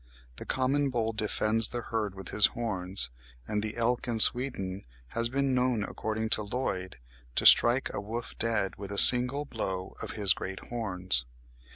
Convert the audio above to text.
The common bull defends the herd with his horns; and the elk in Sweden has been known, according to Lloyd, to strike a wolf dead with a single blow of his great horns.